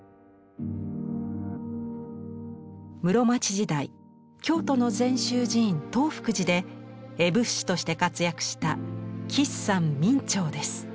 室町時代京都の禅宗寺院東福寺で絵仏師として活躍した吉山明兆です。